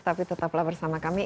tapi tetaplah bersama kami